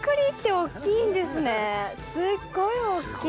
すっごい大っきい。